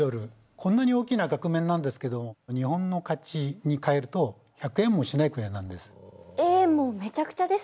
こんなに大きな額面なんですけども日本の価値に換えると１００円もしないくらいなんです。